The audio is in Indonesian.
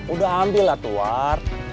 udah ambil lah tuh wart